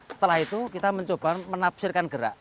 setelah itu kita mencoba menafsirkan gerak